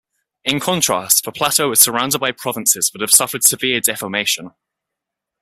In contrast, the plateau is surrounded by provinces that have suffered severe deformation.